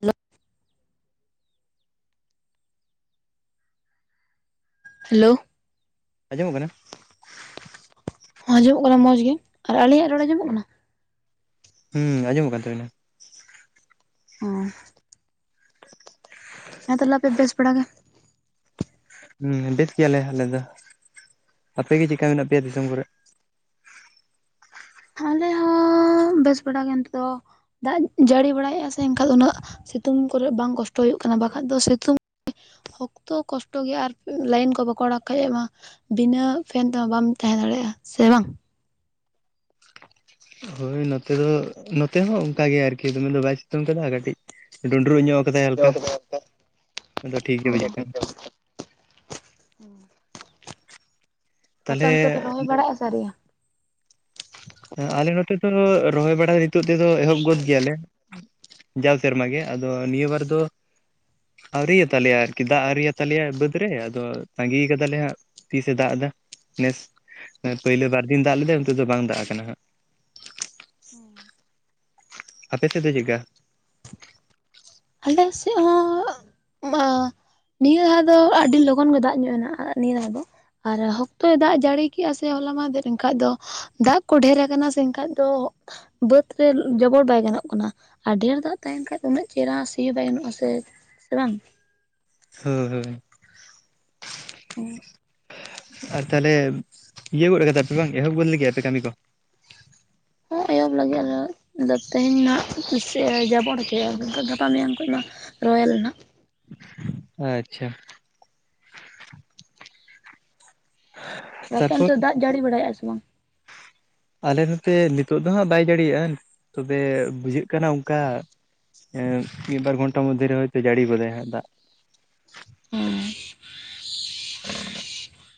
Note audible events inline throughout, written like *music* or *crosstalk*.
Hello hello ᱟᱸᱡᱚᱢᱚᱜ ᱠᱟᱱᱟ ᱟᱸᱡᱚᱢᱚᱜ ᱠᱟᱱᱟ ᱢᱚᱸᱡᱽ ᱜᱮ ᱟᱨ ᱟᱹᱞᱤᱧ ᱟᱜ ᱨᱚᱲ ᱟᱸᱡᱚᱢᱚᱜ ᱠᱟᱱᱟ ᱦᱩᱸ ᱟᱸᱡᱚᱢᱚᱜ ᱠᱟᱱ ᱛᱟᱵᱤᱱᱟ ᱚᱸ ᱦᱮᱸ ᱛᱟᱦᱚᱞᱮ ᱟᱯᱮ ᱵᱮᱥ ᱵᱟᱲᱟ ᱜᱮ ᱦᱩᱸ ᱵᱮᱥ ᱜᱮᱭᱟᱞᱮ ᱟᱞᱮ ᱫᱚ ᱟᱯᱮ ᱜᱮ ᱪᱮᱠᱟ ᱢᱮᱱᱟᱜ ᱯᱮᱭᱟ ᱫᱤᱥᱚᱢ ᱠᱚᱨᱮ ᱟᱞᱮ ᱦᱚᱸ ᱵᱮᱥ ᱵᱟᱲᱟ ᱜᱮ ᱱᱤᱛᱚᱜ ᱫᱚ ᱫᱟᱜ ᱡᱟᱹᱲᱤ ᱵᱟᱲᱟᱭᱮᱫᱼᱟ ᱥᱮ ᱮᱱᱠᱷᱟᱱ ᱩᱱᱟᱹᱜ ᱥᱤᱛᱩᱝ ᱠᱚᱨᱮ ᱵᱟᱝ ᱠᱚᱥᱴᱚ ᱦᱩᱭᱩᱜ ᱠᱟᱱᱟ ᱵᱟᱠᱷᱟᱡ ᱫᱚ ᱥᱤᱛᱩᱝ ᱚᱠᱛᱚ ᱠᱚᱥᱴᱚ ᱜᱮᱭᱟ ᱟᱨ ᱞᱟᱭᱤᱱ ᱠᱚ ᱵᱟᱠᱚ ᱚᱲᱟᱜ ᱠᱷᱟᱡ ᱢᱟ ᱵᱤᱱᱟᱹ ᱯᱷᱮᱱ ᱛᱮᱦᱚᱸ ᱵᱟᱢ ᱛᱟᱦᱮᱸ ᱫᱟᱲᱮᱭᱟᱜᱼᱟ ᱥᱮ ᱵᱟᱝ ᱦᱳᱭ ᱱᱚᱛᱮ ᱫᱚ ᱱᱚᱛᱮ ᱦᱚᱸ ᱚᱱᱠᱟ ᱜᱮ ᱟᱨᱠᱤ ᱫᱚᱢᱮ ᱫᱚ ᱵᱟᱭ ᱥᱤᱛᱩᱝ ᱠᱟᱫᱟ ᱠᱟᱹᱴᱤᱡ ᱰᱩᱸᱰᱨᱩᱜ ᱧᱚᱜ ᱫᱟᱜ ᱠᱟᱫᱟᱭ ᱦᱟᱞᱠᱟ ᱟᱫᱚ ᱴᱷᱤᱠ ᱜᱮ ᱵᱩᱡᱷᱟᱹᱜ ᱠᱟᱱᱟ ᱟᱯᱮ ᱛᱟᱦᱚᱞᱮ ᱚᱱᱛᱮ ᱫᱚ ᱨᱚᱦᱚᱭ ᱵᱟᱲᱟᱜᱼᱟᱥᱮ ᱟᱹᱣᱨᱤ ᱦᱮᱸ ᱟᱞᱮ ᱱᱚᱛᱮ ᱫᱚ ᱨᱚᱦᱚᱭ ᱵᱟᱲᱟ ᱱᱤᱛᱚᱜ ᱛᱮᱫᱚ ᱮᱦᱚᱵ ᱜᱚᱫ ᱜᱮᱭᱟ ᱞᱮ ᱡᱟᱣ ᱥᱮᱨᱢᱟ ᱜᱮ ᱟᱫᱚ ᱱᱤᱭᱟᱹ ᱵᱟᱨ ᱫᱚ ᱟᱹᱣᱨᱤᱭᱟ ᱛᱟᱞᱮᱭᱟ ᱟᱨ ᱫᱟᱜ ᱟᱹᱣᱨᱤᱭᱟ ᱛᱟᱞᱮᱭᱟ ᱵᱟᱹᱫ ᱨᱮ ᱟᱫᱚ ᱛᱟᱸᱜᱤ ᱠᱟᱫᱟᱞᱮ ᱦᱟᱸᱜ ᱛᱤᱥ ᱮ ᱫᱟᱜ ᱫᱟ ᱱᱮᱥ ᱯᱳᱭᱞᱳ ᱵᱟᱨ ᱫᱤᱱ ᱫᱟᱜ ᱞᱮᱫᱟ ᱚᱱᱟ ᱛᱮᱫᱚ ᱵᱟᱝ ᱫᱟᱜ ᱠᱟᱱᱟ ᱠᱟᱱᱟ ᱦᱟᱸᱜ ᱦᱮᱸ ᱟᱯᱮ ᱥᱮᱫ ᱫᱚ ᱪᱮᱜᱠᱟ ᱟᱞᱮ ᱥᱮᱫ ᱦᱚᱸ ᱱᱤᱭᱟᱹ ᱫᱷᱟᱣ ᱫᱚ ᱟᱹᱰᱤ ᱞᱚᱜᱚᱱ ᱜᱮ ᱫᱟᱜ ᱧᱚᱜ ᱱᱟ ᱱᱤᱭᱟᱹ ᱫᱷᱟᱣ ᱫᱚ ᱟᱨ ᱦᱚᱠᱛᱚᱭ ᱫᱟᱜ ᱡᱟᱹᱲᱤ ᱠᱮᱜᱼᱟ ᱥᱮ ᱦᱚᱞᱟ ᱢᱟᱸᱫᱷᱮᱨ ᱮᱱᱠᱷᱟᱡ ᱫᱚ ᱫᱟᱜ ᱠᱚ ᱰᱷᱮᱹᱨ ᱠᱟᱱᱟ ᱥᱮ ᱮᱱᱠᱷᱟᱡ ᱫᱚ ᱵᱟᱹᱫ ᱨᱮ ᱡᱚᱵᱚᱲ ᱵᱟᱭ ᱜᱟᱱᱚᱜ ᱠᱟᱱᱟ ᱟᱨ ᱰᱷᱮᱨ ᱫᱟᱜ ᱛᱟᱸᱦᱮᱱ ᱠᱷᱟᱡ ᱫᱚ ᱩᱱᱟᱹᱜ ᱪᱮᱨᱟ ᱥᱤ ᱦᱚᱸ ᱵᱟᱭ ᱮᱢᱚᱜ ᱟᱥᱮ ᱥᱮ ᱵᱟᱝ ᱦᱩᱸ ᱦᱩᱸ ᱟᱨ ᱛᱟᱦᱚᱞᱮ ᱤᱭᱟᱹ ᱜᱚᱫ ᱠᱟᱫᱟᱯᱮ ᱵᱟᱝ ᱮᱦᱚᱵ ᱜᱚᱫ ᱞᱟ. ᱜᱤᱫ ᱟᱯᱮ ᱠᱟᱹᱢᱤ ᱠᱚ ᱟᱦᱚᱵ ᱞᱟᱜᱤ ᱟᱞᱮ ᱟᱫᱚ ᱛᱮᱦᱮᱧ ᱦᱟᱸᱜ ᱡᱟᱵᱚᱲ ᱠᱮᱜ ᱟ ᱜᱟᱯᱟ ᱢᱮᱭᱟᱝ ᱠᱷᱚᱡ ᱢᱟ ᱨᱚᱦᱚᱭᱟᱞᱮ ᱱᱟᱸᱜ ᱟᱪᱪᱷᱟ ᱟᱯᱮ ᱛᱟᱨᱯᱚᱨ ᱚᱱᱛᱮ ᱫᱟᱜ ᱡᱟᱹᱲᱤ ᱵᱟᱲᱟᱭᱮᱜᱼᱟ ᱥᱮ ᱵᱟᱝ ᱟᱞᱮ ᱱᱚᱛᱮ ᱱᱤᱛᱚᱜ ᱫᱚ ᱦᱟᱸᱜ ᱵᱟᱭ ᱡᱟᱹᱲᱤᱭᱮᱜᱼᱟ ᱛᱚᱵᱮ ᱵᱩᱡᱷᱟᱹᱜ ᱠᱟᱱᱟ ᱚᱱᱠᱟ ᱮᱸ ᱢᱤᱫ ᱵᱟᱨ ᱜᱷᱚᱱᱴᱟ ᱢᱚᱫᱽᱫᱷᱮ ᱨᱮ ᱦᱚᱭᱛᱚ ᱡᱟᱹᱲᱤ ᱜᱚᱫᱟᱭ ᱦᱟᱸᱜ ᱫᱟᱜ ᱦᱩᱸ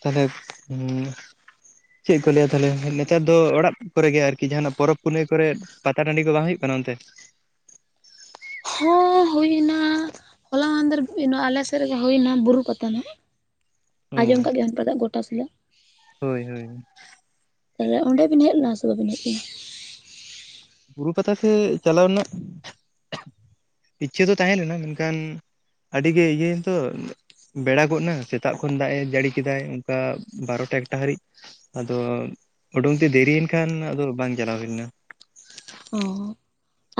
ᱛᱟᱦᱚᱞᱮ ᱩᱸ ᱪᱮᱫ ᱠᱚ ᱞᱟᱹᱭᱟ ᱛᱟᱦᱚᱞᱮ ᱱᱮᱛᱟᱨ ᱫᱚ ᱚᱲᱟᱜ ᱠᱚᱨᱮ ᱜᱮ ᱟᱨᱠᱤ ᱡᱟᱦᱟᱱᱟᱜ ᱯᱚᱨᱚᱵᱽ ᱯᱩᱱᱟᱹᱭ ᱠᱚᱨᱮ ᱯᱟᱛᱟ ᱴᱟᱺᱰᱤ ᱠᱚ ᱵᱟᱝ ᱦᱩᱭᱩᱜ ᱠᱟᱱᱟ ᱚᱱᱛᱮ ᱦᱮᱸ ᱦᱩᱭ ᱱᱟ ᱦᱚᱞᱟ ᱢᱟᱸᱫᱷᱮᱨ ᱱᱚᱣᱟ ᱟᱞᱮᱥᱮᱫ ᱨᱮᱜᱮ ᱦᱩᱭ ᱱᱟ ᱵᱩᱨᱩ ᱯᱟᱛᱟ ᱱᱟᱜ ᱦᱩᱸ ᱟᱸᱡᱚᱢ ᱠᱟᱜ ᱜᱮᱭᱟᱢ ᱯᱟᱞᱮᱫ ᱜᱚᱴᱟ ᱥᱟᱞᱟᱜ ᱦᱳᱭ ᱦᱳᱭ ᱛᱟᱦᱚᱞᱮ ᱚᱸᱰᱮ ᱵᱤᱱ ᱦᱮᱡ ᱞᱮᱱᱟ ᱥᱮ ᱵᱟᱵᱤᱱ ᱦᱮᱡ ᱞᱮᱱᱟ ᱵᱩᱨᱩ ᱯᱟᱛᱟ ᱥᱮ ᱪᱟᱞᱟᱣ ᱨᱮᱱᱟᱜ ᱤᱪᱪᱷᱟᱹ ᱫᱚ ᱛᱟᱦᱮᱸ ᱞᱮᱱᱟ ᱢᱮᱱ ᱠᱷᱟᱱ ᱟᱹᱰᱤ ᱜᱮ ᱤᱭᱟᱹ ᱮᱱ ᱛᱚ ᱵᱮᱲᱟ ᱜᱚᱫ ᱱᱟ ᱥᱮᱛᱟᱜ ᱠᱷᱚᱱ ᱫᱟᱜ ᱮ ᱡᱟᱹᱲᱤ ᱠᱮᱫᱟᱭ ᱚᱱᱠᱟ ᱵᱟᱨᱚᱴᱟ ᱮᱠᱴᱟ ᱦᱟᱹᱨᱤᱡ ᱟᱫᱚ ᱳᱰᱳᱨ ᱛᱮ ᱫᱮᱨᱤᱭᱮᱱ ᱠᱷᱟᱱ ᱟᱫᱚ ᱵᱟᱝ ᱪᱟᱞᱟᱣ ᱦᱩᱭ ᱞᱮᱱᱟ ᱚᱸ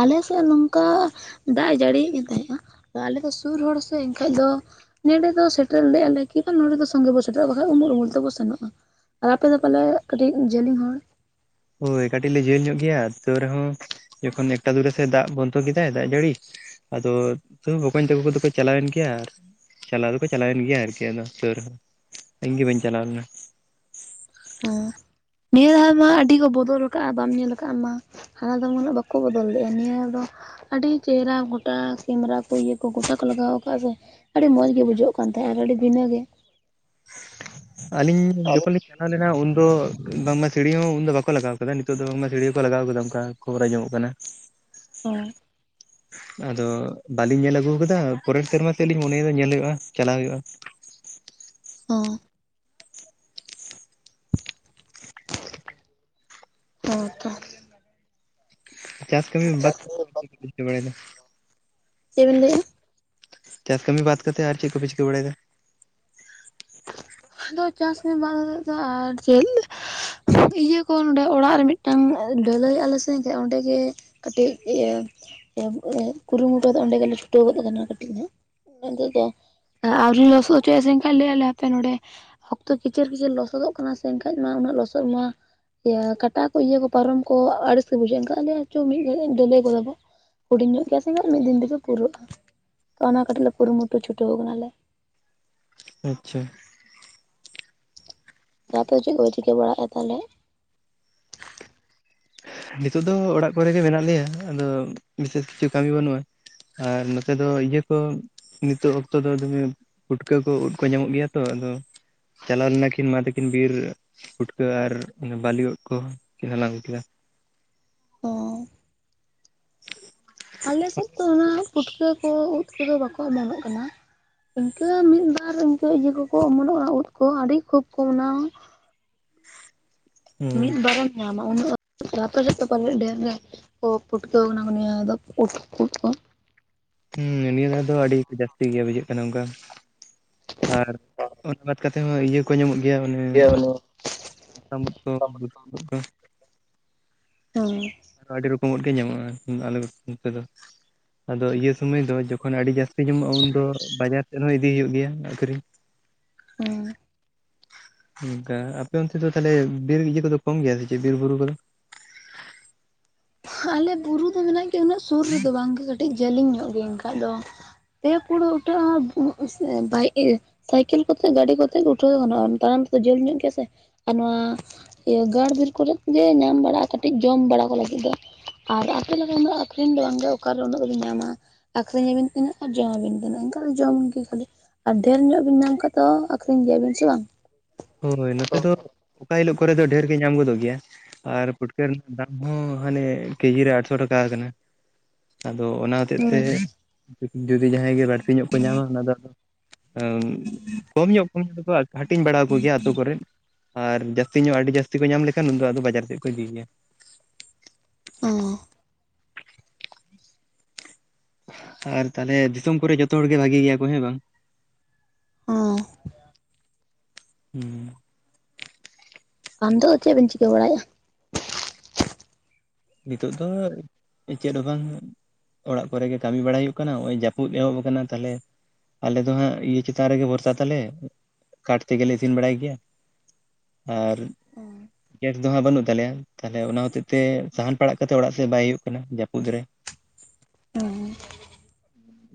ᱟᱞᱮ ᱥᱮᱫ ᱱᱚᱝᱠᱟ ᱫᱟᱜ ᱮ ᱡᱟᱹᱲᱤᱭᱮᱜ ᱛᱟᱦᱮᱸᱡᱼᱟ ᱟᱞᱮ ᱫᱚ ᱥᱩᱨ ᱦᱚᱲ ᱥᱮ ᱮᱱᱠᱷᱟᱡ ᱫᱚ ᱱᱚᱸᱰᱮ ᱫᱚ ᱥᱮᱴᱮᱨ ᱞᱮᱜ-ᱟ ᱞᱮ ᱠᱤ ᱵᱟ ᱱᱚᱸᱰᱮ ᱫᱚ ᱥᱚᱸᱜᱮ ᱵᱚ ᱥᱮᱴᱮᱨᱚᱜᱼᱟ ᱵᱟᱠᱷᱟᱡ ᱩᱢᱩᱞ ᱩᱢᱩᱞ ᱛᱮᱵᱚ ᱥᱮᱱᱚᱜᱼᱟ ᱟᱨ ᱟᱯᱮ ᱫᱚ ᱯᱟᱞᱮ ᱠᱟᱹᱴᱤᱡ ᱡᱮᱞᱮᱧ ᱦᱚᱨ ᱦᱳᱭ ᱠᱟᱹᱴᱤᱡ ᱞᱮ ᱡᱷᱟᱹᱞ ᱧᱚᱜ ᱜᱮᱭᱟ ᱛᱟᱹᱣ ᱨᱮᱦᱚᱸ ᱡᱚᱠᱷᱚᱱ ᱮᱠᱴᱟ ᱫᱩᱴᱟ ᱥᱮᱫ ᱫᱟᱜ ᱵᱚᱱᱫᱚ ᱠᱮᱫᱟᱭ ᱫᱟᱜ ᱡᱟᱹᱲᱤ ᱟᱫᱚ ᱛᱟᱹᱣ ᱵᱚᱠᱚᱧ ᱛᱟᱠᱚ ᱫᱚᱠᱚ ᱪᱟᱞᱟᱣᱮᱱ ᱜᱮᱭᱟ ᱟᱨ ᱪᱟᱞᱟᱣ ᱫᱚᱠᱚ ᱪᱟᱞᱟᱣᱮᱱ ᱜᱮᱭᱟ ᱟᱨᱠᱤ ᱟᱫᱚ ᱛᱟᱹᱣ ᱨᱮᱦᱚᱸ ᱤᱧᱜᱮ ᱵᱟᱹᱧ ᱪᱟᱞᱟᱣ ᱞᱮᱱᱟ *inaudible* ᱱᱤᱭᱟᱹ ᱫᱷᱟᱣ ᱢᱟ ᱟᱹᱰᱤ ᱠᱚ ᱵᱚᱫᱚᱞ ᱠᱟᱜ-ᱟ, ᱵᱟᱢ ᱧᱮᱞ ᱠᱟᱜ ᱟ ᱟᱢ ᱢᱟ ᱦᱟᱱᱟ ᱫᱚᱢ ᱩᱱᱟᱹᱜ ᱵᱟᱠᱚ ᱵᱚᱫᱚᱞ ᱞᱮᱜᱼᱟ ᱱᱤᱭᱟᱹ ᱫᱷᱟᱣ ᱫᱚ ᱟᱹᱰᱤ ᱪᱮᱦᱨᱟ ᱜᱚᱴᱟ ᱠᱮᱢᱨᱟ ᱠᱚ ᱤᱭᱟᱹ ᱠᱚ ᱜᱚᱴᱟ ᱠᱚ ᱞᱟᱜᱟᱣ ᱠᱟᱜ-ᱟ ᱥᱮ ᱟᱹᱰᱤ ᱢᱚᱸᱡᱽ ᱜᱮ ᱵᱩᱡᱷᱟᱹᱜ ᱠᱟᱱ ᱛᱟᱦᱮᱸᱜ-ᱟ ᱟᱨ ᱟᱹᱰᱤ ᱵᱷᱤᱱᱟᱹ ᱜᱮ ᱟᱹᱞᱤᱧ ᱡᱚᱠᱷᱚᱱᱞᱤᱧ ᱪᱟᱞᱟᱣ ᱞᱮᱱᱟ ᱩᱱ ᱫᱚ ᱵᱟᱝᱢᱟ ᱥᱤᱲᱤ ᱦᱚᱸ ᱩᱱᱫᱚ ᱵᱟᱠᱚ ᱞᱟᱜᱟᱣ ᱟᱠᱟᱫᱟ᱾ ᱱᱤᱛᱚᱜ ᱫᱚ ᱵᱟᱝᱢᱟ ᱥᱤᱲᱤ ᱦᱚᱸᱠᱚ ᱞᱟᱜᱟᱣ ᱟᱠᱟᱫᱟ ᱚᱝᱠᱟ ᱾ ᱠᱷᱚᱵᱚᱨ ᱟᱸᱡᱚᱢᱚᱜ ᱠᱟᱱᱟ ᱦᱚᱸ ᱟᱫᱚ ᱵᱟᱹᱞᱤᱧ ᱧᱮᱞ ᱟᱹᱜᱩ ᱟᱠᱟᱫᱟ ᱯᱚᱨᱮᱨ ᱥᱮᱨᱢᱟ ᱥᱮᱫ ᱞᱤᱧ ᱢᱚᱱᱮᱭᱮᱫ-ᱟ ᱧᱮᱞ ᱦᱩᱭᱩᱜᱼᱟ ᱪᱟᱞᱟᱣ ᱦᱩᱭᱩᱜᱼᱟ ᱾ ᱚᱸᱻ ᱦᱚᱸ ᱛᱚ᱾ ᱪᱟᱥ ᱠᱟᱹᱢᱤ ᱵᱟᱫ *unintelligible* ᱵᱟᱲᱟᱭᱮᱫ-ᱟ᱾ ᱪᱮᱫ ᱵᱤᱱ ᱞᱟᱹᱭᱮᱜᱼᱟ? ᱪᱟᱥ ᱠᱟᱹᱢᱤ ᱵᱟᱫ ᱠᱟᱛᱮᱫ ᱟᱨ ᱪᱮᱫ ᱠᱚ ᱯᱮ ᱪᱤᱠᱟᱹ ᱵᱟᱲᱟᱭᱮᱫ-ᱟ? ᱟᱫᱚ ᱪᱟᱥ ᱢᱟ ᱵᱟᱝ ᱮᱦᱚᱵᱚᱜ ᱫᱚ ᱟᱨ ᱪᱮᱫ ᱤᱭᱟᱹ ᱠᱚ ᱱᱚᱸᱰᱮ ᱚᱲᱟᱜ ᱨᱮ ᱢᱤᱫᱴᱟᱝ ᱰᱟᱹᱞᱟᱹᱭᱮᱜ-ᱟ ᱞᱮ ᱥᱮ ᱚᱸᱰᱮ ᱜᱮ ᱠᱟᱹᱴᱤᱡ ᱤᱭᱟᱹ ᱮᱸᱜ ᱠᱩᱨᱩᱢᱩᱴᱩ ᱫᱚ ᱚᱸᱰᱮ ᱜᱮᱞᱮ ᱪᱷᱩᱴᱟᱹᱣ ᱜᱚᱫ ᱠᱟᱱᱟ ᱠᱟᱹᱴᱤᱡ ᱦᱟᱸᱜ *unintelligible* ᱟᱣᱨᱤ ᱞᱚᱥᱚᱫ ᱦᱚᱪᱚᱭᱟ ᱥᱮ ᱮᱝᱠᱷᱟᱱ ᱞᱮ-ᱸ ᱮᱱᱠᱷᱟᱱ ᱱᱚᱸᱰᱮ ᱚᱠᱛᱚ ᱠᱮᱪᱮᱨ ᱠᱮᱪᱮᱨ ᱞᱚᱥᱚᱫᱚᱜ ᱠᱟᱱᱟ ᱥᱮ ᱮᱱᱠᱷᱟᱡ ᱢᱟ ᱩᱱᱟᱹᱜ ᱞᱚᱥᱚᱫ ᱢᱟ ᱤᱭᱟ. ᱠᱟᱴᱟ ᱠᱚ ᱤᱭᱟᱹ ᱠᱚ ᱯᱟᱨᱚᱢ ᱠᱚ ᱟᱹᱲᱤᱥ ᱜᱮ ᱵᱩᱡᱷᱟᱹᱜᱼᱟ ᱮᱱᱠᱷᱟᱡ ᱟᱞᱮᱭᱟ ᱪᱚ ᱢᱤᱫ ᱜᱷᱟᱹᱲᱤᱡ ᱰᱟᱹᱞᱟᱹᱭ ᱜᱚᱫᱟ ᱵᱚ ᱦᱩᱰᱤᱧ ᱧᱚᱜ ᱜᱮᱭᱟ ᱥᱮ ᱦᱟᱸᱜ ᱢᱤᱫ ᱫᱤᱱ ᱛᱮᱜᱮ ᱯᱩᱨᱟᱹᱜᱼᱟ ᱛᱚ ᱚᱱᱟ ᱠᱟᱹᱴᱤᱡ ᱞᱮ ᱠᱩᱨᱩᱢᱩᱴᱩ ᱪᱷᱩᱴᱟᱹᱣ ᱠᱟᱱᱟᱞᱮ ᱟᱪᱪᱷᱟ ᱟᱯᱮ ᱫᱚ ᱪᱮᱫ ᱠᱚ ᱯᱮ ᱪᱤᱠᱟᱹ ᱵᱟᱲᱟᱭᱮᱫ-ᱟ ᱛᱟᱦᱞᱮ? ᱱᱤᱛᱚᱜ ᱫᱚ ᱚᱲᱟᱜ ᱠᱚᱨᱮ ᱜᱮ ᱢᱮᱱᱟᱜ ᱞᱮᱭᱟ ᱟᱫᱚ ᱵᱤᱥᱮᱥ ᱠᱤᱪᱷᱩ ᱠᱟᱹᱢᱤ ᱵᱟᱹᱱᱩᱜᱼᱟ᱾ ᱟᱨ ᱱᱚᱛᱮ ᱫᱚ ᱤᱭᱟᱹ ᱠᱚ ᱱᱤᱛᱚᱜ ᱚᱠᱛᱚ ᱫᱚ ᱫᱚᱢᱮ ᱯᱩᱴᱠᱟᱹ ᱠᱚ ᱩᱫ ᱠᱚ ᱧᱟᱢᱚᱜ ᱜᱮᱭᱟ ᱛᱚ ᱟᱫᱚ ᱪᱟᱞᱟᱣ ᱞᱮᱱᱟ ᱠᱤᱱ ᱢᱟ ᱛᱟᱹᱠᱤᱱ ᱵᱤᱨ ᱯᱷᱩᱴᱠᱟᱹ ᱟᱨ ᱵᱟᱹᱞᱤ ᱩᱫ ᱠᱚ ᱠᱤᱱ ᱦᱟᱞᱟᱝ ᱟᱹᱜᱩ ᱠᱮᱫᱟ᱾ ᱚᱻ ᱟᱞᱮ ᱥᱮᱫ ᱫᱚ ᱚᱱᱟ ᱯᱩᱴᱠᱟᱹ ᱠᱚ ᱩᱫ ᱠᱚᱫᱚ ᱵᱟᱠᱚ ᱚᱢᱚᱱᱚᱜ ᱠᱟᱱᱟ᱾ ᱤᱱᱠᱟᱹ ᱢᱤᱫ-ᱵᱟᱨ ᱤᱱᱠᱟᱹ ᱤᱭᱟᱹ ᱠᱚᱠᱚ ᱚᱢᱚᱱᱚᱜᱼᱟ ᱩᱫ ᱠᱚ ᱟᱹᱰᱤ ᱠᱷᱩᱵ ᱠᱚᱢ ᱚᱱᱟᱦᱚᱸ᱾ ᱢᱤᱫ ᱵᱟᱨᱮᱢ ᱧᱟᱢᱟ, ᱩᱱᱟᱹᱜ ᱟᱯᱮ ᱥᱮᱡ ᱫᱚ ᱯᱟᱞᱮᱫ ᱰᱷᱮᱨ ᱧ ᱯᱩᱴᱠᱟᱹᱣ ᱠᱟᱱᱟ ᱠᱚ ᱱᱤᱭᱟᱹ ᱫᱷᱟᱣ ᱫᱚ ᱩᱫ-ᱩᱫ ᱠᱚ? ᱦᱩᱸ ᱱᱤᱭᱟᱹ ᱫᱷᱟ ᱫᱚ ᱟᱹᱰᱤ ᱡᱟᱹᱥᱛᱤ ᱜᱮ ᱵᱩᱡᱷᱟᱹᱜ ᱠᱟᱱᱟ ᱚᱝᱠᱟ ᱟᱨ ᱚᱱᱟ ᱵᱟᱫ ᱠᱟᱛᱮ ᱛᱮᱦᱚᱸ ᱤᱭᱟᱹ ᱠᱚ ᱧᱟᱢᱚᱜ ᱜᱮᱭᱟ ᱚᱱᱮ ᱢᱚᱛᱟᱢ‌ᱩᱫ ᱠᱚ ᱵᱩᱥᱩᱵ ᱩᱫ ᱠᱚ ᱾ ᱦᱩᱸ ᱟᱨ ᱟᱹᱰᱤ ᱨᱮᱠᱚᱢᱥᱜ ᱜᱮ ᱧᱟᱢᱚᱜᱼᱟ ᱟᱞᱮ ᱱᱚᱛᱮ ᱫᱚ ᱟᱫᱚ ᱤᱭᱟᱹ ᱥᱚᱢᱚᱭ ᱫᱚ ᱡᱚᱠᱷᱚᱱ ᱟᱹᱰᱤ ᱡᱟᱹᱥᱛᱤ ᱧᱟᱢᱚᱜᱼᱟ ᱩᱱᱫᱚ ᱵᱟᱡᱟᱨ ᱥᱮᱫ ᱦᱚᱸ ᱤᱫᱤ ᱦᱩᱭᱩᱜ ᱜᱮᱭᱟ ᱟᱹᱠᱷᱨᱤᱧ᱾ ᱦᱩᱸᱻ ᱚᱱᱠᱟ ᱟᱯᱮ ᱚᱱᱛᱮ ᱫᱚ ᱛᱟᱦᱞᱮ ᱵᱤᱨ ᱤᱭᱟᱹ ᱠᱚᱫᱚ ᱠᱚᱢ ᱜᱮᱭᱟ ᱥᱮ ᱪᱮᱫ ᱵᱤᱨ ᱵᱩᱨᱩ ᱠᱚᱫᱚ? ᱟᱞᱮ ᱵᱩᱨᱩ ᱫᱚ ᱢᱮᱱᱟᱜ ᱜᱮᱭᱟ ᱩᱱᱟᱹᱜ ᱥᱩᱨ ᱨᱮᱫᱚ ᱵᱟᱝᱜᱮ ᱠᱟᱹᱴᱤᱡ ᱡᱟᱹᱞᱤᱧ ᱧᱚᱜ ᱜᱮᱭᱟ ᱮᱱᱠᱷᱟᱡ ᱫᱚ ᱯᱮ *unintelligible* ᱩᱴᱷᱟᱹᱜ-ᱟ ᱥᱮ ᱵᱟᱭ ᱮ ᱥᱟᱭᱠᱮᱞ ᱠᱚᱛᱮ ᱜᱟᱹᱰᱤ ᱠᱚᱛᱮ ᱜᱮ ᱩᱴᱷᱟᱹᱣ ᱜᱟᱱᱚᱜᱼᱟ ᱛᱟᱲᱟᱢ ᱛᱮᱫᱚ ᱡᱷᱟᱹᱞ ᱧᱚᱜ ᱜᱮᱭᱟ ᱥᱮ ᱟᱨ ᱱᱚᱣᱟ ᱤᱭᱟᱹ ᱜᱟᱲ ᱵᱤᱨ ᱠᱚᱨᱮᱡ ᱜᱮ ᱧᱟᱢ ᱵᱟᱲᱟᱜᱼᱟ ᱠᱟᱹᱴᱤᱡ ᱡᱚᱢ ᱵᱟᱲᱟ ᱠᱚᱣᱟ ᱞᱮ ᱟᱫᱚ ᱟᱨ ᱟᱯᱮ ᱞᱮᱠᱟ ᱩᱱᱟᱹᱜ ᱟᱹᱠᱷᱨᱤᱧ ᱫᱚ ᱵᱟᱝᱜᱮ ᱚᱠᱟᱨᱮ ᱩᱱᱟᱹᱜ ᱫᱚᱵᱤᱱ ᱧᱟᱢᱟ᱾ ᱟᱠᱷᱨᱤᱧ ᱟᱹᱵᱤᱱ ᱛᱤᱱᱟᱹᱜ ᱟᱨ ᱡᱚᱢ ᱟᱵᱤᱱ ᱛᱤᱱᱟᱹᱜ ᱮᱱᱠᱷᱟᱱ ᱡᱚᱢ ᱜᱮ ᱠᱷᱟᱹᱞᱤ᱾ ᱟᱨ ᱰᱷᱮᱨ ᱧᱚᱜ ᱵᱤᱱ ᱧᱟᱢ ᱠᱷᱟᱡ ᱫᱚ ᱟᱹᱠᱷᱨᱤᱧ ᱜᱮᱭᱟᱵᱤᱱ ᱥᱮ ᱵᱟᱝ? ᱦᱚᱭ ᱱᱚᱛᱮ ᱫᱚ ᱚᱠᱟ ᱦᱤᱞᱚᱜ ᱠᱚᱨᱮ ᱫᱚ ᱰᱷᱮᱨ ᱜᱮ ᱧᱟᱢ ᱜᱚᱫᱚᱜ ᱜᱮᱭᱟ ᱾ ᱟᱨ ᱯᱩᱴᱠᱟᱹ ᱨᱮᱱᱟᱜ ᱫᱟᱢ ᱦᱚᱸ ᱦᱟᱱᱮ ᱠᱮᱡᱤ ᱨᱮ ᱟᱴᱥᱚ ᱴᱟᱠᱟ ᱟᱠᱟᱱᱟ᱾ ᱟᱫᱚ ᱚᱱᱟ ᱦᱚᱛᱮᱜ ᱛᱮ ᱦᱩᱸ ᱡᱚᱫᱤ ᱡᱟᱦᱟᱸᱭ ᱜᱮ ᱵᱟᱹᱲᱛᱤ ᱧᱚᱜ ᱠᱚ ᱧᱟᱢᱟ ᱚᱱᱟ ᱫᱚ ᱠᱚᱢ ᱧᱚᱜ ᱠᱚ ᱦᱟᱹᱴᱤᱧ ᱵᱟᱲᱟ ᱡᱚᱜ ᱜᱮᱭᱟ ᱟᱛᱳ ᱠᱚᱨᱮᱫ ᱟᱨ ᱡᱟᱹᱥᱛᱤ ᱧᱚᱜ ᱟᱹᱰᱤ ᱡᱟᱹᱥᱛᱤ ᱠᱚ ᱧᱟᱢ ᱞᱮᱠᱷᱟᱱ ᱩᱱ ᱫᱚ ᱵᱟᱡᱟᱨ ᱥᱮᱫ ᱠᱚ ᱤᱫᱤ ᱜᱮᱭᱟ᱾ ᱚᱻ ᱟᱨ ᱛᱟᱦᱚᱞᱮ ᱫᱤᱥᱚᱢ ᱠᱚᱨᱮ ᱡᱚᱛᱚ ᱦᱚᱲ ᱜᱮ ᱵᱷᱟᱜᱤ ᱜᱮᱭᱟ ᱠᱚ ᱦᱮᱸ ᱵᱟᱝ? ᱦᱚᱸ *unintelligible* ᱟᱢ ᱫᱚ ᱪᱮᱫ ᱠᱚᱢ ᱪᱤᱠᱟᱹ ᱵᱟᱲᱟᱭᱮᱫᱼᱟ ᱱᱤᱛᱚᱜ ᱫᱚ ᱪᱮᱫ ᱦᱚᱸ ᱵᱟᱝ ᱚᱲᱟᱜ ᱠᱚᱨᱮᱜ ᱜᱮ ᱠᱟᱹᱢᱤ ᱵᱟᱲᱟᱟᱭ ᱦᱩᱭᱩᱜ ᱠᱟᱱᱟ ᱱᱚᱜ ᱚᱭ ᱡᱟᱹᱯᱩᱫ ᱮᱦᱚᱵ ᱟᱠᱟᱱᱟ ᱛᱟᱦᱚᱞᱮ ᱟᱞᱮ ᱫᱚ ᱦᱟᱸᱜ ᱤᱭᱟᱹ ᱪᱮᱛᱟᱱ ᱨᱮᱜᱮ ᱵᱷᱚᱨᱥᱟ ᱛᱟᱞᱮ ᱠᱟᱴ ᱛᱮᱜᱮ ᱞᱮ ᱤᱥᱤᱱ ᱵᱟᱲᱟᱭ ᱜᱮᱭᱟ ᱟᱨ ᱦᱩᱸ ᱜᱮᱥ ᱫᱚᱦᱟᱸᱜ ᱵᱟᱹᱱᱩᱜ ᱛᱟᱞᱮᱭᱟ ᱛᱟᱦᱚᱞᱮ ᱚᱱᱟ ᱦᱚᱛᱮ ᱛᱮ ᱥᱟᱦᱟᱱ ᱯᱟᱲᱟᱜ ᱠᱟᱛᱮ ᱚᱲᱟᱜ ᱥᱮᱫ ᱵᱟᱭ ᱦᱩᱭᱩᱜ ᱠᱟᱱᱟ ᱡᱟᱹᱯᱩᱫ ᱨᱮ ᱦᱮᱸ ᱦᱮᱸ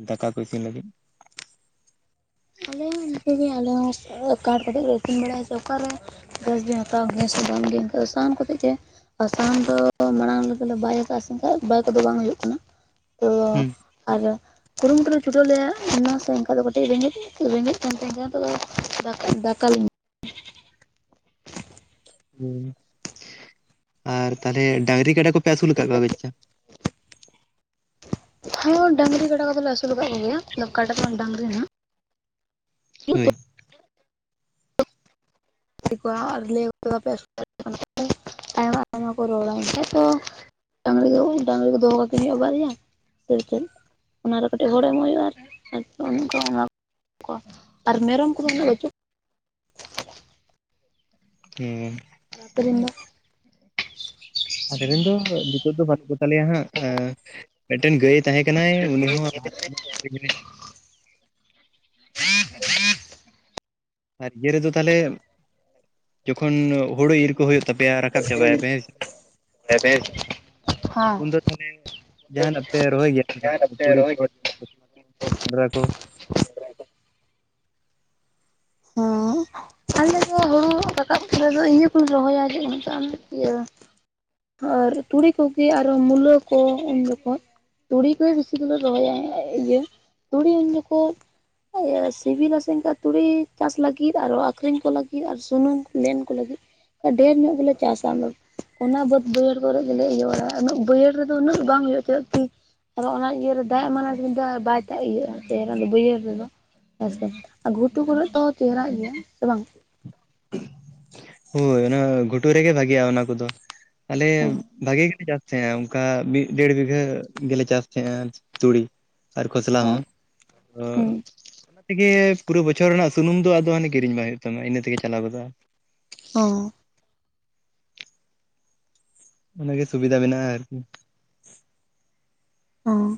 ᱫᱟᱠᱟ ᱠᱚ ᱤᱥᱤᱱ ᱞᱟᱹᱜᱤᱫ ᱟᱞᱮ ᱦᱚᱸ ᱤᱱᱠᱮ ᱟᱞᱮ ᱦᱚᱸ ᱠᱟᱹᱴ ᱛᱮᱜᱮ ᱞᱮ ᱤᱥᱤᱱ ᱵᱟᱲᱟᱭᱟ ᱥᱮ ᱚᱠᱟᱨᱮ ᱜᱮᱥ ᱵᱮᱱ ᱦᱟᱛᱟᱣ ᱠᱮᱭᱟ ᱥᱮ ᱵᱟᱝ ᱜᱮ ᱮᱱᱠᱷᱟᱱ ᱫᱚ ᱥᱟᱦᱟᱱ ᱠᱟᱛᱮ ᱜᱮ᱾ ᱟᱨᱥᱟᱦᱟᱱ ᱫᱚ ᱢᱟᱲᱟᱝ ᱞᱮᱠᱟ ᱞᱮ ᱵᱟᱭ ᱟᱠᱟᱫᱼᱟ ᱥᱮ ᱮᱱᱠᱷᱟᱡ ᱵᱟᱭ ᱠᱚᱫᱚ ᱵᱟᱭ ᱦᱩᱭᱩᱜ ᱠᱟᱱᱟ᱾ ᱦᱩᱸ ᱟᱫᱚ ᱠᱩᱨᱩᱢᱩᱴᱩ ᱞᱮ ᱪᱷᱩᱴᱟᱹᱣ ᱞᱮᱭᱟ ᱥᱮ ᱚᱱᱟ ᱥᱮ ᱮᱱᱠᱷᱟᱱ ᱫᱚ ᱠᱟᱹᱴᱤᱡ ᱨᱮ ᱨᱮᱸᱜᱮᱡ ᱠᱟᱱ *unintelligible* ᱫᱟᱠᱟ ᱞᱩ ᱦᱮᱸ ᱟᱨ ᱛᱟᱦᱞᱮ ᱰᱟᱹᱜᱽᱨᱤ ᱠᱟᱰᱟ ᱠᱚᱯᱮ ᱟᱹᱥᱩᱞ ᱟᱠᱟᱜ ᱠᱚᱣᱟ *unintelligible* ᱦᱮᱸ ᱰᱟᱹᱜᱽᱨᱤ ᱠᱟᱰᱟ ᱠᱚᱫᱚ ᱞᱮ ᱟᱹᱥᱩᱞ ᱟᱠᱟᱫ ᱠᱚᱜᱮᱭᱟ ᱠᱟᱰᱟ ᱠᱷᱚᱱ ᱰᱟᱝᱨᱤ ᱦᱟᱜ᱾ ᱦᱩᱭ ᱾ *unintelligible* ᱟᱭᱢᱟ ᱟᱭᱢᱟ ᱠᱚ ᱨᱚᱲᱟ ᱮᱱᱠᱟᱱᱡ ᱛᱚ ᱫᱚ ᱰᱟᱝᱨᱤ ᱠᱚ ᱫᱚᱦᱚ ᱠᱟᱠᱤᱱ ᱦᱩᱭᱩᱜ ᱟ ᱵᱟᱨᱭᱟ ᱥᱮ ᱪᱮᱫ ᱚᱱᱟᱨᱮ ᱠᱟᱹᱴᱤᱡ ᱦᱚᱲ ᱮᱢᱚᱜ ᱦᱩᱭᱩᱜᱼᱟ ᱟᱨ ᱟᱨ ᱟᱨ ᱢᱮᱨᱚᱢ ᱠᱚᱫᱚ ᱩᱱᱟᱹᱜ ᱵᱟᱪᱩᱜ *inaudible* ᱦᱮᱸ ᱟᱨ ᱟᱯᱮ ᱨᱮᱱ ᱫᱚ ᱟᱞᱮᱨᱮ ᱨᱮᱱ ᱫᱚ ᱱᱤᱛᱚᱜ ᱫᱚ ᱵᱟᱹᱱᱩᱜ ᱠᱚᱛᱟ ᱞᱮᱭᱟ ᱦᱟᱸᱜ ᱢᱤᱫᱴᱮᱱ ᱜᱟᱹᱭ ᱛᱟᱦᱮᱸ ᱠᱟᱱᱟᱭ ᱩᱱᱤ ᱦᱚᱸ ᱞᱟᱦᱟ ᱛᱮᱢᱟ ᱟᱹᱠᱷᱨᱤᱧ ᱟᱨ ᱤᱭᱟᱹ ᱨᱮᱫᱚ ᱛᱟᱦᱚᱞᱮ ᱡᱚᱠᱷᱚᱱ ᱦᱳᱲᱳ ᱤᱨ ᱠᱚ ᱦᱩᱭᱩᱜ ᱛᱟᱯᱮᱭᱟ ᱨᱟᱠᱟᱵ ᱪᱟᱵᱟᱭ ᱟᱯᱮ ᱦᱮ ᱥᱮ ᱦᱮᱸ ᱩᱱᱫᱚ ᱛᱟᱦᱚᱞᱮ ᱡᱟᱦᱟᱱᱟᱜ ᱯᱮ ᱨᱚᱦᱚᱭ ᱜᱮᱭᱟ ᱥᱮ ᱵᱟᱝ ᱛᱩᱲᱤ ᱠᱚ ᱠᱚᱰᱨᱟ ᱠᱚ ᱦᱮᱸ ᱟᱞᱮᱫᱚ ᱦᱩᱲᱩ ᱨᱟᱠᱟᱵ ᱯᱚᱨᱮ ᱫᱚ ᱤᱭᱟᱹ ᱤᱭᱟᱹ ᱠᱚᱧ ᱨᱚᱦᱚᱭᱟ ᱤᱭᱟᱹ ᱟᱨ ᱛᱩᱲᱤ ᱠᱚᱜᱮ ᱟᱨᱚ ᱢᱩᱞᱟᱹ ᱠᱚ ᱩᱱ ᱡᱚᱠᱷᱟᱡ ᱛᱩᱲᱤ ᱠᱚᱞᱮ ᱵᱮᱥᱤ ᱫᱚᱞᱮ ᱨᱚᱦᱚᱭᱟ ᱤᱭᱟᱹ ᱛᱩᱲᱤ ᱩᱱ ᱡᱚᱠᱷᱟᱡ ᱮ ᱥᱤᱵᱤ ᱞᱟᱥᱮ ᱚᱱᱠᱟ ᱛᱩᱲᱤ ᱪᱟᱥ ᱞᱟᱹᱜᱤᱫ ᱟᱨᱚ ᱟᱠᱷᱨᱤᱧ ᱠᱚ ᱞᱟᱹᱜᱤᱫ ᱟᱨ ᱥᱩᱱᱩᱢ ᱞᱮᱱ ᱠᱚ ᱞᱟᱹᱜᱤᱫ ᱰᱷᱮᱨ ᱧᱚᱜ ᱜᱮᱞᱮ ᱪᱟᱥᱟ ᱟᱞᱮ ᱚᱱᱟ ᱵᱟᱹᱫᱽ ᱵᱟᱹᱭᱦᱟᱹᱲ ᱠᱚᱨᱮ ᱜᱮᱞᱮ ᱤᱭᱟᱹᱼᱟ ᱩᱱᱟᱹᱜ ᱵᱟᱹᱭᱦᱟᱹᱲ ᱨᱮᱫᱚ ᱩᱱᱟᱹᱜ ᱫᱚ ᱵᱟᱝ ᱦᱩᱭᱩᱜ ᱪᱮᱫᱟᱜ ᱠᱤ ᱟᱫᱚ ᱚᱱᱟ ᱤᱭᱟᱹᱨᱮ ᱫᱟᱜ ᱮᱢᱟᱱᱟ ᱠᱤᱱᱛᱩ ᱵᱟᱭ ᱫᱟᱜ ᱤᱭᱟᱹᱜᱼᱟ ᱥᱮᱫᱚ ᱵᱟᱹᱭᱦᱟᱹᱲ ᱨᱮᱫᱚ ᱦᱮᱸᱥᱮ ᱜᱷᱩᱴᱩ ᱠᱚᱨᱮᱜ ᱛᱚ ᱪᱮᱦᱨᱟᱜ ᱜᱮᱭᱟ ᱥᱮ ᱵᱟᱝ ᱦᱳᱭ ᱚᱱᱟ ᱜᱷᱩᱴᱩ ᱨᱮᱜᱮ ᱵᱷᱟᱜᱤᱭᱟ ᱚᱱᱟ ᱠᱚᱫᱚ ᱟᱞᱮ ᱦᱚᱸ ᱵᱷᱟᱜᱤ ᱜᱮᱞᱮ ᱪᱟᱥ ᱛᱟᱦᱮᱸᱱᱟ ᱚᱱᱠᱟ ᱢᱤᱫ ᱰᱮᱲ ᱵᱤᱜᱷᱟᱹ ᱜᱮᱞᱮ ᱪᱟᱥ ᱛᱟᱦᱮᱸᱫ ᱟ ᱛᱩᱲᱤ ᱟᱨ ᱠᱷᱚᱥᱞᱟ ᱦᱚᱸ ᱚᱱᱟ ᱛᱮᱜᱮ ᱯᱩᱨᱟᱹ ᱵᱚᱪᱷᱚᱨ ᱨᱮᱱᱟᱜ ᱥᱩᱱᱩᱢ ᱫᱚ ᱟᱫᱚ ᱦᱟᱱᱮ ᱠᱤᱨᱤᱧ ᱵᱟᱝ ᱦᱩᱭᱩᱜ ᱛᱟᱢᱟ ᱤᱱᱟᱹ ᱛᱮᱜᱮ ᱪᱟᱞᱟᱣ ᱜᱚᱫᱚᱜᱼᱟ ᱦᱚᱸ ᱚᱱᱟᱜᱮ ᱥᱩᱵᱤᱫᱷᱟ ᱢᱮᱱᱟᱜᱼᱟ ᱟᱨᱠᱤ ᱚ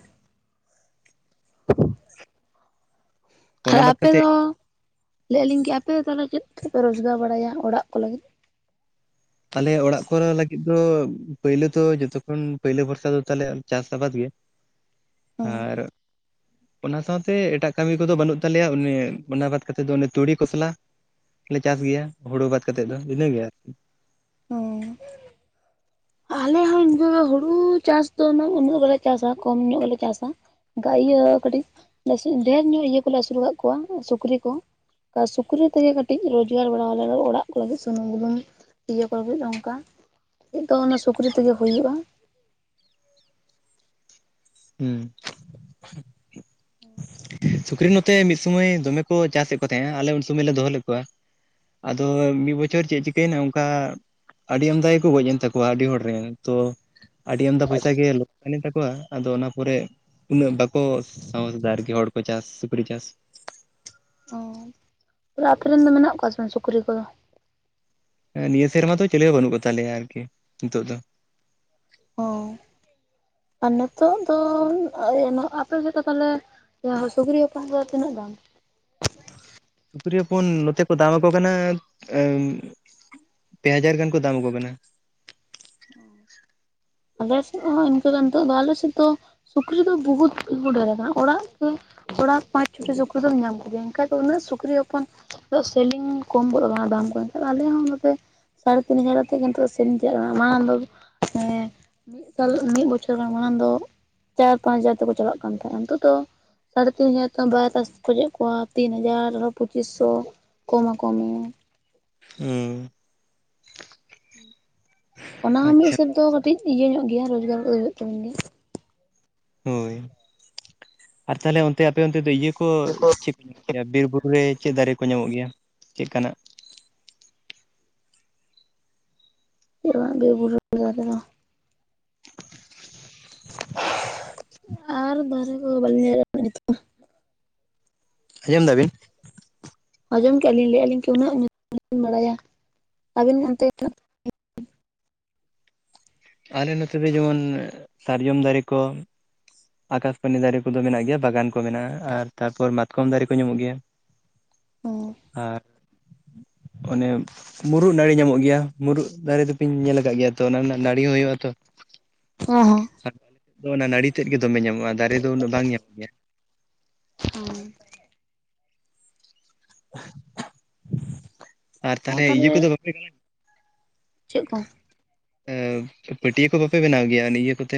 ᱟᱨ ᱚᱱᱟ ᱵᱟᱫ ᱟᱯᱮ ᱠᱟᱛᱮᱫ ᱫᱚ ᱞᱟᱹᱭᱮᱫᱼᱟ ᱞᱤᱧ ᱠᱮ ᱟᱯᱮ ᱛᱟᱦᱚᱞᱮ ᱪᱮᱫ ᱛᱮᱯᱮ ᱨᱳᱡᱽᱜᱟᱨ ᱵᱟᱲᱟᱭᱟ ᱚᱲᱟᱜ ᱠᱚ ᱞᱟᱹᱜᱤᱫ ᱛᱟᱦᱞᱮ ᱚᱲᱟᱜ ᱠᱚᱨᱮ ᱞᱟᱹᱜᱤᱫ ᱫᱚ ᱯᱳᱭᱞᱳ ᱛᱚ ᱡᱚᱛᱚᱠᱷᱚᱱ ᱯᱳᱭᱞᱳ ᱵᱷᱚᱨᱥᱟ ᱫᱚ ᱛᱮᱞᱮ ᱪᱟᱥ ᱟᱵᱟᱫ ᱜᱮ ᱦᱮᱸ ᱟᱨ ᱚᱱᱟ ᱥᱟᱶᱛᱮ ᱮᱴᱟᱜ ᱠᱟᱹᱢᱤ ᱠᱚᱫᱚ ᱵᱟᱹᱱᱩᱜ ᱛᱟᱞᱮᱭᱟ ᱚᱱᱮ ᱚᱱᱟ ᱵᱟᱫ ᱠᱟᱛᱮᱫ ᱫᱚ ᱛᱩᱲᱤ ᱠᱚᱥᱞᱟ ᱞᱮ ᱪᱟᱥ ᱜᱮᱭᱟ ᱦᱩᱲᱩ ᱵᱟᱫ ᱠᱟᱛᱮᱫ ᱫᱚ ᱤᱱᱟᱹ ᱜᱮ ᱦᱮᱸ *inaudible* ᱟᱞᱮ ᱦᱚᱸ ᱤᱱᱠᱟᱹ ᱦᱩᱲᱩ ᱪᱟᱥ ᱫᱚᱱᱟᱝ ᱩᱱᱟᱹᱜ ᱵᱟᱞᱮ ᱪᱟᱥᱟ ᱠᱚᱢ ᱧᱚᱜ ᱞᱮ ᱪᱟᱥᱟ ᱤᱭᱟᱹ ᱠᱟᱹᱴᱤᱡ ᱰᱷᱮᱨ ᱧᱚᱜ ᱤᱭᱟᱹ ᱠᱚᱞᱮ ᱟᱹᱥᱩᱞ ᱠᱟᱫ ᱠᱚᱣᱟ ᱥᱩᱠᱨᱤ ᱠᱚ ᱥᱩᱠᱨᱤ ᱛᱮᱜᱮ ᱠᱟᱹᱴᱤᱡ ᱨᱚᱡᱽᱜᱟᱨ ᱵᱟᱲᱟᱭᱟᱞᱮ ᱚᱲᱟᱜ ᱠᱚ ᱞᱟᱹᱜᱤᱫ ᱥᱩᱱᱩᱢ ᱵᱩᱞᱩᱢ ᱤᱭᱟᱹ ᱠᱚ ᱞᱟᱜᱤᱫ ᱚᱱᱠᱟ ᱫᱚ ᱚᱱᱟ ᱥᱩᱠᱨᱤ ᱛᱮᱜᱮ ᱦᱩᱭᱩᱜᱼᱟ ᱦᱩᱸ *inaudible* ᱥᱩᱠᱨᱤ ᱱᱚᱛᱮ ᱢᱤᱫ ᱥᱩᱢᱚᱭ ᱫᱚᱢᱮ ᱠᱚ ᱪᱟᱥᱮᱫ ᱠᱚ ᱛᱟᱦᱮᱸᱱᱟ ᱟᱞᱮ ᱩᱱ ᱥᱩᱢᱚᱭ ᱞᱮ ᱫᱚᱦᱚ ᱞᱮᱫ ᱠᱚᱣᱟ ᱟᱫᱚ ᱢᱤᱫ ᱵᱚᱪᱷᱚᱨ ᱪᱮᱫ ᱪᱤᱠᱟᱹᱭᱮᱱᱟ ᱚᱱᱠᱟ ᱟᱹᱰᱤ ᱟᱢᱫᱟ ᱜᱮᱠᱚ ᱜᱚᱡ ᱮᱱ ᱛᱟᱠᱚᱣᱟ ᱟᱹᱰᱤ ᱦᱚᱲ ᱨᱮᱱ ᱛᱚ ᱟᱹᱰᱤ ᱟᱢᱫᱟ ᱯᱚᱭᱥᱟ ᱜᱮ ᱞᱚᱜ ᱥᱟᱱ ᱛᱟᱠᱚᱣᱟ ᱟᱫᱚ ᱚᱱᱟ ᱯᱚᱨᱮ ᱩᱱᱟᱹᱜ ᱵᱟᱠᱚ ᱥᱟᱢᱟᱡ ᱫᱟᱨ ᱜᱮ ᱦᱚᱲ ᱠᱚ ᱪᱟᱥ ᱥᱩᱠᱨᱤ ᱪᱟᱥ ᱚᱻ ᱛᱟᱦᱮ ᱟᱯᱮ ᱨᱮᱱ ᱫᱚ ᱢᱮᱱᱟᱜ ᱠᱚᱣᱟ ᱥᱮ ᱵᱟᱝ ᱥᱩᱠᱨᱤ ᱠᱚ ᱱᱤᱭᱟᱹ ᱥᱮᱨᱢᱟ ᱫᱚ ᱪᱮᱞᱮ ᱦᱚᱸ ᱵᱟᱹᱱᱩᱜ ᱠᱚ ᱛᱟᱞᱮᱭᱟ ᱟᱨᱠᱤ ᱱᱤᱛᱚᱜ ᱫᱚ ᱚ ᱟᱨ ᱱᱤᱛᱚᱜ ᱫᱚ ᱟᱯᱮ ᱥᱮᱫ ᱫᱚ ᱛᱟᱦᱞᱮ ᱡᱟᱦᱟᱸ ᱥᱩᱠᱨᱤ ᱦᱚᱯᱚᱱ ᱫᱚ ᱛᱤᱱᱟᱹᱜ ᱫᱟᱢ ᱥᱩᱠᱨᱤ ᱦᱚᱯᱚᱱ ᱱᱚᱛᱮ ᱠᱚ ᱫᱟᱢ ᱟᱠᱚ ᱠᱟᱱᱟ ᱮᱸᱫ ᱯᱮ ᱦᱟᱡᱟᱨ ᱜᱟᱱ ᱠᱚ ᱫᱟᱢ ᱟᱠᱚ ᱠᱟᱱᱟ *inaudible* ᱟᱞᱮᱥᱮᱫ ᱦᱚᱸ ᱤᱱᱠᱟᱹ ᱫᱚ ᱱᱤᱛᱚᱜ ᱫᱚ ᱟᱞᱮ ᱥᱮᱫ ᱫᱚ ᱥᱩᱠᱨᱤ ᱫᱚ ᱵᱚᱦᱩᱛ ᱰᱟᱹᱨ ᱟᱠᱟᱱᱟ ᱚᱲᱟᱜ ᱫᱚ ᱚᱲᱟᱜ ᱯᱟᱸᱪ ᱪᱷᱚᱴᱤ ᱥᱩᱠᱨᱤ ᱫᱚᱢ ᱧᱟᱢ ᱠᱚᱜᱮᱭᱟ ᱮᱱᱠᱷᱟᱡ ᱫᱚ ᱩᱱᱟᱹᱜ ᱥᱩᱠᱨᱤ ᱦᱚᱯᱚᱱ ᱥᱮᱞᱤᱝ ᱠᱚᱢ ᱜᱚᱫ ᱠᱟᱱᱟ ᱫᱟᱢ ᱠᱚ ᱮᱱᱠᱷᱟᱱ ᱟᱞᱮ ᱦᱚᱸ ᱱᱚᱛᱮ ᱥᱟᱲᱮ ᱛᱤᱱ ᱦᱟᱡᱟᱨ ᱠᱟᱛᱮᱫ ᱜᱮ ᱱᱤᱛᱚᱜ ᱫᱚ ᱥᱮᱞᱤᱝ ᱪᱟᱞᱟᱜ ᱢᱟᱲᱟᱝ ᱫᱚ ᱮ ᱢᱤᱫ ᱥᱟᱞ ᱢᱤᱫ ᱵᱚᱪᱷᱚᱨ ᱜᱟᱱ ᱢᱟᱲᱟᱝ ᱫᱚ ᱪᱟᱨ ᱯᱟᱸᱪ ᱦᱟᱡᱟᱨ ᱛᱮᱠᱚ ᱪᱟᱞᱟᱜ ᱠᱟᱱ ᱛᱟᱦᱮᱸᱱᱟ ᱱᱤᱛᱚᱜ ᱫᱚ ᱥᱟᱲᱮ ᱛᱤᱱ ᱦᱟᱡᱟᱨ ᱛᱮ ᱦᱚᱸ ᱵᱟᱭ *unintelligible* ᱠᱚᱣᱟ ᱛᱤᱱ ᱦᱟᱡᱟᱨ ᱟᱨᱦᱚᱸ ᱯᱚᱸᱪᱤᱥ ᱥᱚ ᱠᱚᱢ ᱟᱠᱚ ᱢᱮ᱾ ᱦᱩᱸ ᱚᱱᱟ ᱦᱚᱸ ᱢᱤᱫ ᱟᱪᱪᱷᱟ ᱥᱮᱫ ᱫᱚ ᱠᱟᱹᱴᱤᱡ ᱤᱭᱟᱹ ᱧᱚᱜ ᱜᱮᱭᱟ, ᱨᱚᱡᱽᱜᱟᱨ ᱦᱳᱭᱳᱜ ᱛᱟᱵᱤᱱ ᱜᱤᱭᱟ᱾ ᱦᱳᱭ ᱟᱨ ᱛᱟᱦᱞᱮ ᱚᱱᱛᱮ ᱟᱯᱮ ᱚᱱᱛᱮ ᱫᱚ ᱤᱭᱟᱹ ᱠᱚ ᱪᱮᱫ ᱜᱮᱭᱟ ᱵᱤᱨ ᱵᱩᱨᱩ ᱨᱮ ᱪᱮᱫ ᱫᱟᱨᱮ ᱠᱚ ᱧᱟᱢᱚᱜ ᱜᱮᱭᱟ ᱪᱮᱫ ᱞᱮᱠᱟᱱᱟᱜ ᱵᱤᱨ ᱵᱩᱨᱩ ᱫᱟᱨᱮ ᱨᱮᱫᱚ ᱟᱨ ᱫᱟᱨᱮ ᱠᱚ ᱵᱟᱞᱤᱧ ᱞᱟᱹᱭ ᱫᱟᱲᱮᱭᱟᱜ ᱠᱟᱱᱟ ᱱᱤᱛᱚᱜ ᱫᱚ ᱟᱸᱡᱚᱢ ᱮᱫᱟ ᱵᱤᱱ ᱟᱡᱚᱢ ᱠᱮᱫᱟᱞᱤᱧ ᱞᱟᱹᱭᱼᱟᱞᱤᱧ ᱩᱱᱟᱹᱜ ᱧᱩᱛᱩᱢ ᱵᱟᱞᱤᱧ ᱵᱟᱲᱟᱭᱟ ᱟᱹᱵᱤᱱ ᱚᱱᱛᱮ ᱟᱞᱮ ᱱᱚᱛᱮ ᱫᱚ ᱡᱮᱢᱚᱱ ᱥᱟᱨᱡᱚᱢ ᱫᱟᱨᱮ ᱠᱚ ᱟᱠᱟᱥᱵᱟᱱᱤ ᱫᱟᱨᱮ ᱠᱚᱫᱚ ᱢᱮᱱᱟᱜ ᱜᱮᱭᱟ ᱵᱟᱜᱟᱱ ᱠᱚ ᱢᱮᱱᱟᱜᱼᱟ ᱟᱨ ᱛᱟᱨᱯᱚᱨ ᱢᱟᱛᱠᱚᱢ ᱫᱟᱨᱮ ᱠᱚ ᱧᱟᱢᱚᱜ ᱜᱮᱭᱟ ᱦᱚᱸ ᱟᱨ ᱚᱱᱮ ᱢᱩᱨᱩᱫ ᱱᱟᱹᱲᱤ ᱧᱟᱢᱚᱜ ᱜᱮᱭᱟ ᱢᱩᱨᱩᱫ ᱫᱟᱨᱮ ᱫᱚᱯᱮ ᱧᱮᱞ ᱟᱠᱟᱫ ᱜᱮᱭᱟ ᱛᱚ ᱚᱱᱟ ᱨᱮᱱᱟᱜ ᱱᱟᱹᱲᱤ ᱦᱚᱸ ᱦᱳᱭᱳᱜᱼᱟ ᱛᱚ ᱦᱚᱸ ᱦᱚᱸ *inaudible* ᱟᱞᱮ ᱥᱮᱫ ᱫᱚ ᱚᱱᱟ ᱱᱟᱲᱤ ᱛᱮᱫ ᱜᱮ ᱫᱚᱢᱮ ᱧᱟᱢᱚᱜᱼᱟ, ᱫᱟᱨᱮ ᱫᱚ ᱩᱱᱟᱹᱜ ᱵᱟᱝ ᱧᱟᱢᱚᱜ ᱜᱮᱭᱟ᱾ ᱦᱚᱭ᱾ *inaudible* ᱟᱨ ᱦᱚᱸ ᱛᱟᱞᱚᱦᱮ ᱤᱭᱟᱹ ᱛᱟᱦᱚᱞᱮ ᱠᱚᱫᱚ ᱵᱟᱯᱮ ᱜᱟᱞᱟᱝ ᱪᱮᱫ ᱠᱚ *inaudible* ᱮᱻᱵᱚ ᱯᱟᱹᱴᱤᱭᱟᱹ ᱠᱚ ᱵᱟᱯᱮ ᱵᱮᱱᱟᱣ ᱜᱮᱭᱟ ᱱᱤᱭᱟᱹ ᱠᱚᱛᱮ?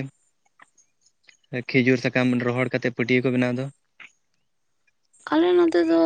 ᱠᱷᱤᱡᱩᱨ ᱥᱟᱠᱟᱢ ᱨᱚᱦᱚᱲ ᱠᱟᱛᱮᱜ ᱯᱟᱹᱴᱤᱭᱟᱹ ᱠᱚ ᱵᱮᱱᱟᱣ ᱫᱚ᱾ ᱟᱞᱮ ᱱᱚᱛᱮ ᱫᱚ